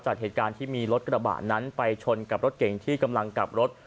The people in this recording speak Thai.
จากเหตุการณ์ที่มีรถกระบะนั้นไปชนกับรถเก่งที่กำลังกลับรถ